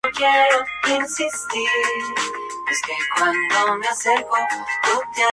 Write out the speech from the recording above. Habita en rocas cercanas al mar y en playas de arena.